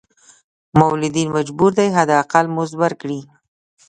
مولدین مجبور دي حد اقل مزد ورکړي.